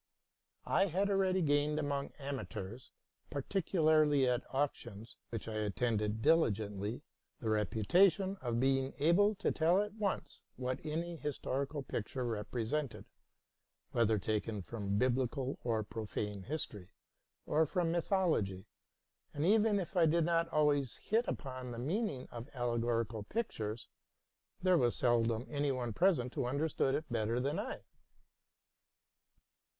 I had already gained among amateurs, particularly at auctions, which I attended diligently, the reputation of being able to tell at once what any historical picture represented, whether taken from bibli cal or profane history, or from mythology ; and, even if I did not always hit upon the meaning of allegorical pictures, there was seldom any one present who understood it better than I.